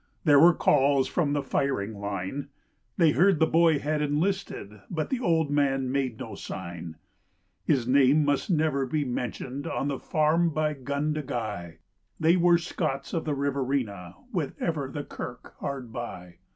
There were calls from the firing line; They heard the boy had enlisted, but the old man made no sign. His name must never be mentioned on the farm by Gundagai They were Scots of the Riverina with ever the kirk hard by.